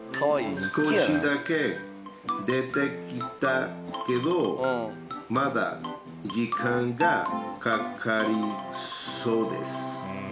少しだけ出てきたけど、まだ時間がかかりそうです。